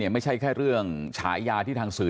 ไม่ใช่แค่เรื่องฉายาที่ทางสื่อ